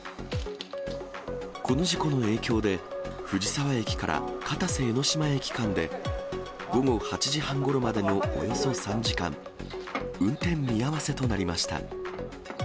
この事故の影響で、藤沢駅から片瀬江ノ島駅間で、午後８時半ごろまでのおよそ３時間、運転見合わせとなりました。